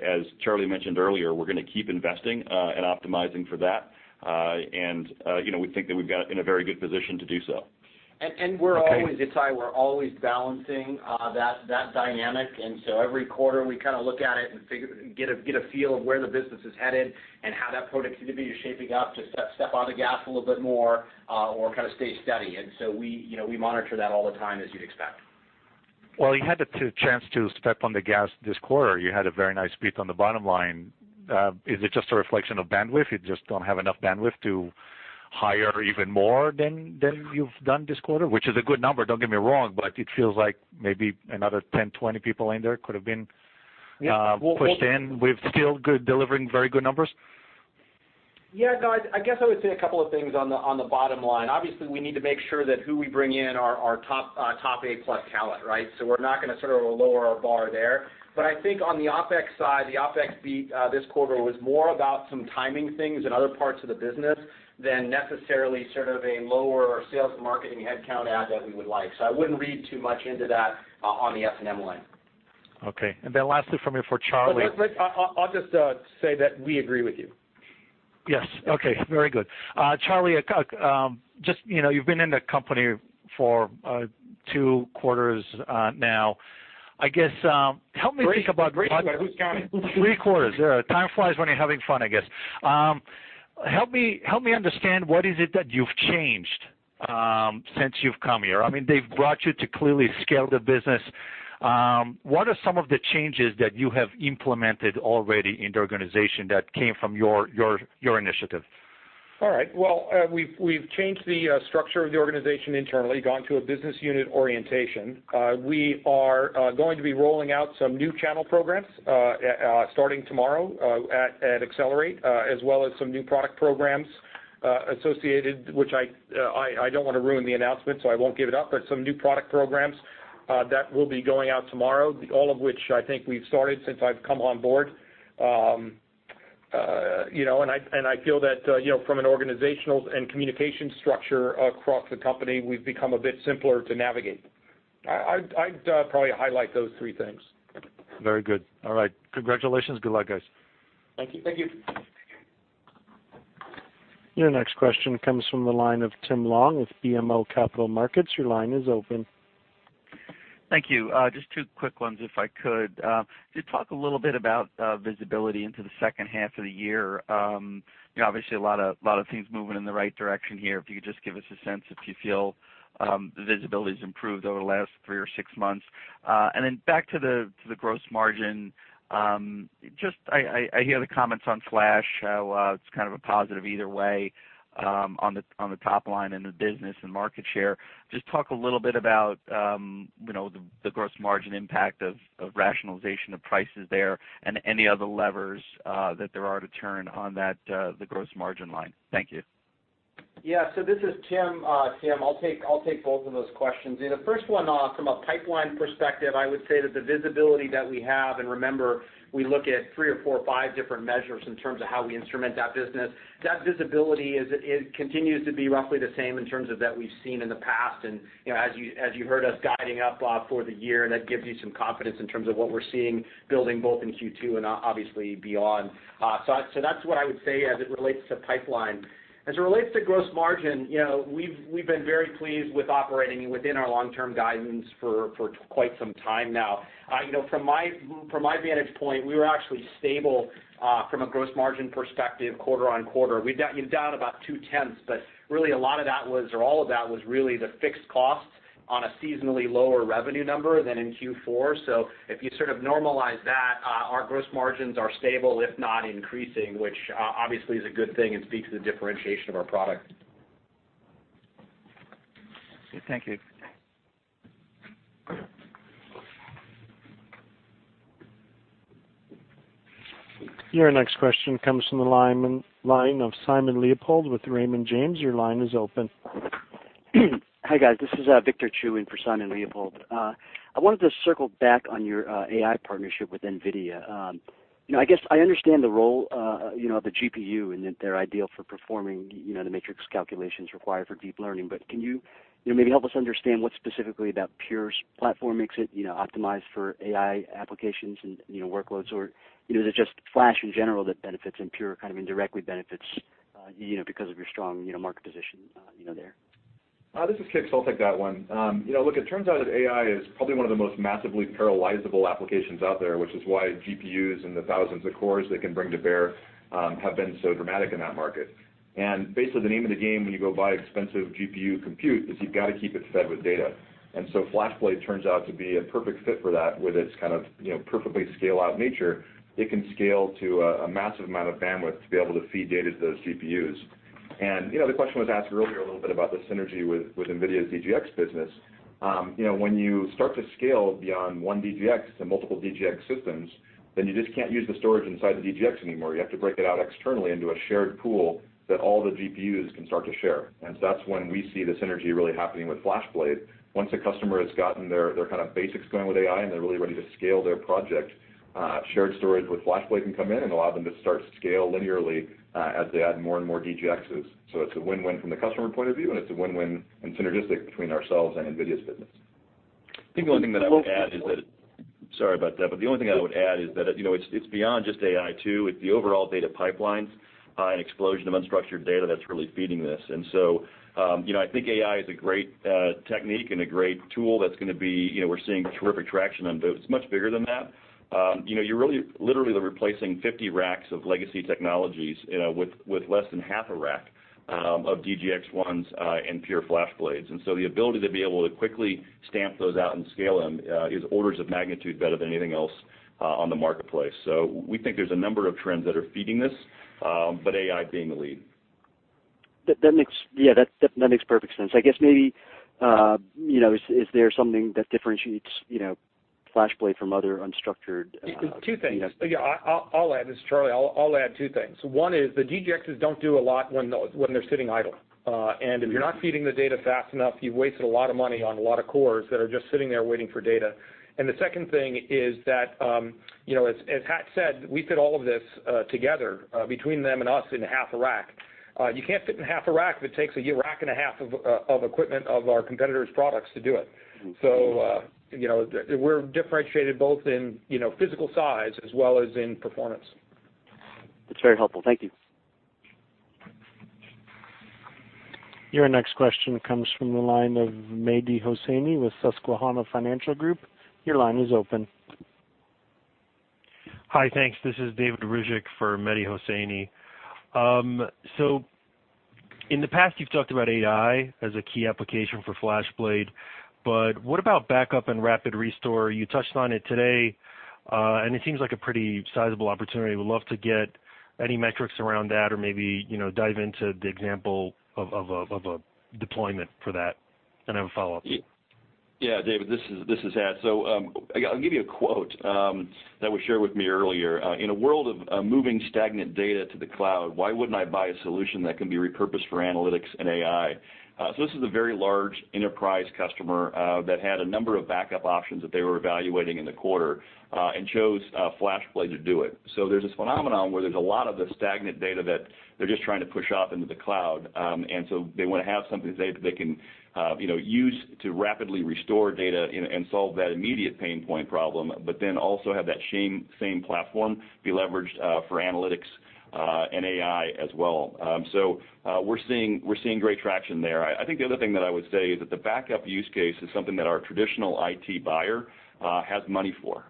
As Charlie mentioned earlier, we're going to keep investing and optimizing for that. We think that we've got in a very good position to do so. Ittai, we're always balancing that dynamic. Every quarter we look at it and get a feel of where the business is headed and how that productivity is shaping up to step on the gas a little bit more or stay steady. We monitor that all the time, as you'd expect. Well, you had the chance to step on the gas this quarter. You had a very nice beat on the bottom line. Is it just a reflection of bandwidth? You just don't have enough bandwidth to hire even more than you've done this quarter? Which is a good number, don't get me wrong, but it feels like maybe another 10, 20 people in there could have been pushed in with still delivering very good numbers. Yeah. No, I guess I would say a couple of things on the bottom line. Obviously, we need to make sure that who we bring in are top A+ talent, right? We're not going to lower our bar there. I think on the OpEx side, the OpEx beat this quarter was more about some timing things in other parts of the business than necessarily a lower sales and marketing headcount add that we would like. I wouldn't read too much into that on the S&M line. Okay. Lastly from me for Charlie- I'll just say that we agree with you Yes. Okay, very good. Charlie, you've been in the company for two quarters now. Three. Who's counting? Three quarters. Yeah. Time flies when you're having fun, I guess. Help me understand what is it that you've changed since you've come here. They've brought you to clearly scale the business. What are some of the changes that you have implemented already in the organization that came from your initiative? All right. Well, we've changed the structure of the organization internally, gone to a business unit orientation. We are going to be rolling out some new channel programs, starting tomorrow, at Accelerate, as well as some new product programs associated, which I don't want to ruin the announcement, so I won't give it up. Some new product programs, that will be going out tomorrow, all of which I think we've started since I've come on board. I feel that from an organizational and communication structure across the company, we've become a bit simpler to navigate. I'd probably highlight those three things. Very good. All right. Congratulations. Good luck, guys. Thank you. Thank you. Your next question comes from the line of Tim Long with BMO Capital Markets. Your line is open. Thank you. Just two quick ones, if I could. Could you talk a little bit about visibility into the second half of the year? Obviously, a lot of things moving in the right direction here. If you could just give us a sense if you feel visibility's improved over the last three or six months. Back to the gross margin. I hear the comments on Flash, how it's a positive either way, on the top line in the business and market share. Just talk a little bit about the gross margin impact of rationalization of prices there and any other levers that there are to turn on the gross margin line. Thank you. Yeah. This is Tim. Tim, I'll take both of those questions. The first one, from a pipeline perspective, I would say that the visibility that we have, and remember, we look at three or four or five different measures in terms of how we instrument that business. That visibility continues to be roughly the same in terms of that we've seen in the past. As you heard us guiding up for the year, that gives you some confidence in terms of what we're seeing building both in Q2 and obviously beyond. That's what I would say as it relates to pipeline. As it relates to gross margin, we've been very pleased with operating within our long-term guidance for quite some time now. From my vantage point, we were actually stable, from a gross margin perspective, quarter-on-quarter. We've been down about two-tenths, but really a lot of that was, or all of that was really the fixed costs on a seasonally lower revenue number than in Q4. If you normalize that, our gross margins are stable, if not increasing, which obviously is a good thing and speaks to the differentiation of our product. Okay. Thank you. Your next question comes from the line of Simon Leopold with Raymond James. Your line is open. Hi, guys. This is Victor Chu in for Simon Leopold. I wanted to circle back on your AI partnership with NVIDIA. I understand the role of the GPU and that they're ideal for performing the matrix calculations required for deep learning. Can you maybe help us understand what specifically about Pure's platform makes it optimized for AI applications and workloads? Is it just Flash in general that benefits, and Pure indirectly benefits, because of your strong market position there? This is Kix. I'll take that one. Look, it turns out that AI is probably one of the most massively parallelizable applications out there, which is why GPUs and the thousands of cores they can bring to bear, have been so dramatic in that market. Basically, the name of the game when you go buy expensive GPU compute is you've got to keep it fed with data. FlashBlade turns out to be a perfect fit for that with its perfectly scale-out nature. It can scale to a massive amount of bandwidth to be able to feed data to those GPUs. The question was asked earlier a little bit about the synergy with NVIDIA's DGX business. When you start to scale beyond one DGX to multiple DGX systems, then you just can't use the storage inside the DGX anymore. You have to break it out externally into a shared pool that all the GPUs can start to share. That's when we see the synergy really happening with FlashBlade. Once a customer has gotten their basics going with AI, and they're really ready to scale their project, shared storage with FlashBlade can come in and allow them to start to scale linearly, as they add more and more DGXs. It's a win-win from the customer point of view, and it's a win-win and synergistic between ourselves and NVIDIA's business. I think the only thing that I would add is that it Sorry about that. The only thing I would add is that it's beyond just AI, too. It's the overall data pipelines, an explosion of unstructured data that's really feeding this. I think AI is a great technique and a great tool that's going to be, we're seeing terrific traction on, but it's much bigger than that. You're really literally replacing 50 racks of legacy technologies with less than half a rack, of DGX-1 and Pure FlashBlades. The ability to be able to quickly stamp those out and scale them, is orders of magnitude better than anything else on the marketplace. We think there's a number of trends that are feeding this, but AI being the lead. That makes perfect sense. I guess maybe, is there something that differentiates FlashBlade from other unstructured- Two things. Yeah. I'll add. This is Charlie. I'll add two things. One is, the DGXs don't do a lot when they're sitting idle. If you're not feeding the data fast enough, you've wasted a lot of money on a lot of cores that are just sitting there waiting for data. The second thing is that, as Hat said, we fit all of this together, between them and us in half a rack. You can't fit in half a rack if it takes a rack and a half of equipment of our competitor's products to do it. We're differentiated both in physical size as well as in performance. That's very helpful. Thank you. Your next question comes from the line of Mehdi Hosseini with Susquehanna Financial Group. Your line is open. Hi. Thanks. This is David Ruzik for Mehdi Hosseini. In the past, you've talked about AI as a key application for FlashBlade, what about backup and rapid restore? You touched on it today, and it seems like a pretty sizable opportunity. Would love to get any metrics around that or maybe dive into the example of a deployment for that. I have a follow-up. Yeah, David, this is Hat. I'll give you a quote that was shared with me earlier. In a world of moving stagnant data to the cloud, why wouldn't I buy a solution that can be repurposed for analytics and AI? This is a very large enterprise customer that had a number of backup options that they were evaluating in the quarter, and chose FlashBlade to do it. There's this phenomenon where there's a lot of the stagnant data that they're just trying to push off into the cloud, they want to have something today that they can use to rapidly restore data and solve that immediate pain point problem, also have that same platform be leveraged for analytics, and AI as well. We're seeing great traction there. I think the other thing that I would say is that the backup use case is something that our traditional IT buyer has money for.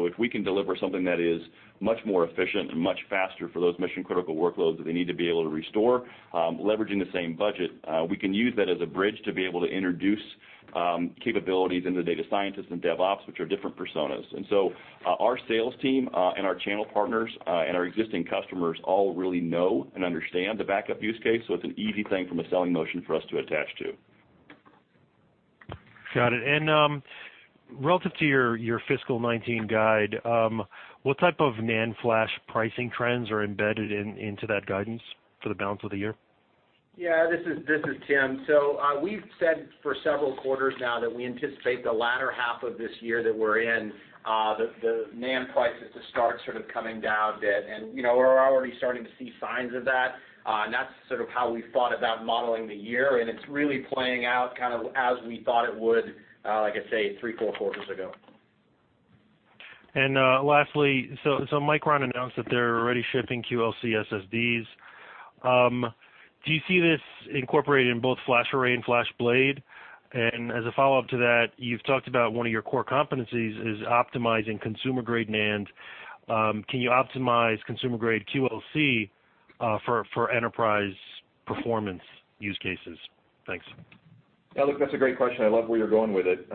If we can deliver something that is much more efficient and much faster for those mission-critical workloads that they need to be able to restore, leveraging the same budget, we can use that as a bridge to be able to introduce capabilities into data scientists and DevOps, which are different personas. Our sales team and our channel partners, and our existing customers all really know and understand the backup use case. It's an easy thing from a selling motion for us to attach to. Got it. Relative to your fiscal 2019 guide, what type of NAND flash pricing trends are embedded into that guidance for the balance of the year? Yeah, this is Tim. We've said for several quarters now that we anticipate the latter half of this year that we're in, the NAND prices to start sort of coming down a bit. We're already starting to see signs of that, and that's sort of how we thought about modeling the year, and it's really playing out kind of as we thought it would, like I say, three, four quarters ago. Lastly, Micron announced that they're already shipping QLC SSDs. Do you see this incorporated in both FlashArray and FlashBlade? As a follow-up to that, you've talked about one of your core competencies is optimizing consumer-grade NAND. Can you optimize consumer-grade QLC for enterprise performance use cases? Thanks. Yeah, look, that's a great question. I love where you're going with it.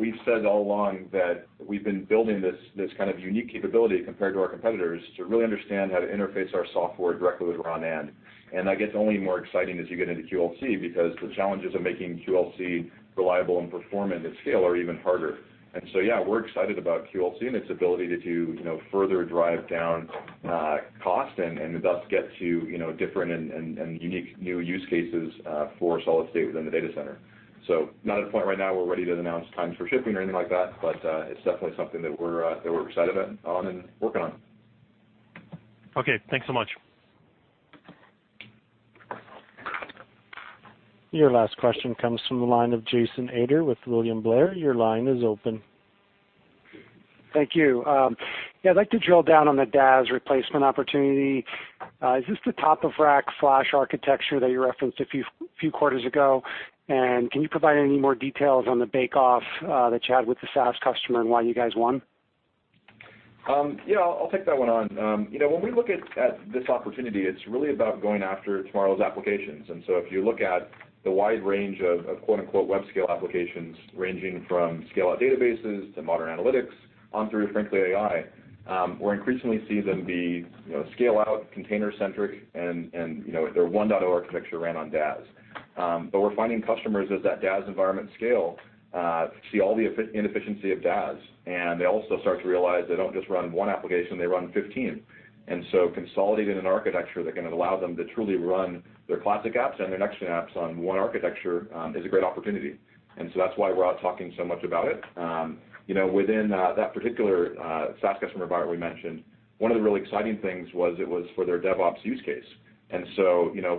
We've said all along that we've been building this kind of unique capability compared to our competitors to really understand how to interface our software directly with raw NAND. That gets only more exciting as you get into QLC because the challenges of making QLC reliable and performant at scale are even harder. Yeah, we're excited about QLC and its ability to further drive down cost and thus get to different and unique new use cases for solid state within the data center. Not at a point right now where we're ready to announce times for shipping or anything like that, but it's definitely something that we're excited about and working on. Okay, thanks so much. Your last question comes from the line of Jason Ader with William Blair. Your line is open. Thank you. Yeah, I'd like to drill down on the DAS replacement opportunity. Is this the top-of-rack flash architecture that you referenced a few quarters ago? Can you provide any more details on the bake-off that you had with the SAS customer, and why you guys won? Yeah, I'll take that one on. When we look at this opportunity, it's really about going after tomorrow's applications. If you look at the wide range of "web-scale applications" ranging from scale-out databases to modern analytics on through, frankly, AI, we're increasingly seeing them be scale-out container-centric and their 1.0 architecture ran on DAS. We're finding customers, as that DAS environment scale, see all the inefficiency of DAS, and they also start to realize they don't just run one application, they run 15. Consolidating an architecture that can allow them to truly run their classic apps and their next-gen apps on one architecture is a great opportunity. That's why we're out talking so much about it. Within that particular SAS customer environment we mentioned, one of the really exciting things was it was for their DevOps use case.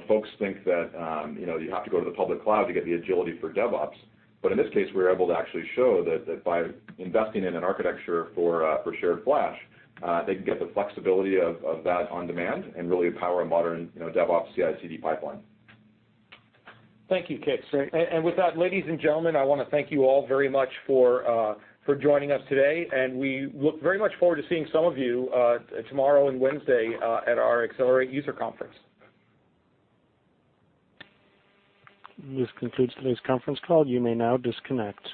Folks think that you have to go to the public cloud to get the agility for DevOps. In this case, we were able to actually show that by investing in an architecture for shared flash, they can get the flexibility of that on demand and really power a modern DevOps CI/CD pipeline. Thank you, Kix. With that, ladies and gentlemen, I want to thank you all very much for joining us today, and we look very much forward to seeing some of you tomorrow and Wednesday at our Pure//Accelerate User Conference. This concludes today's conference call. You may now disconnect.